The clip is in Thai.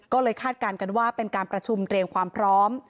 ก็เลยคาดการณ์กันว่าเป็นการประชุมเตรียมความพร้อม